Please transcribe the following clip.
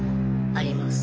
あります。